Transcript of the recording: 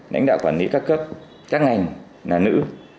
lãnh đạo quản lý các cấp các ngành là nữ